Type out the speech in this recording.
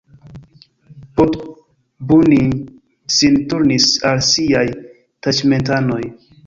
Poddubnij sin turnis al siaj taĉmentanoj.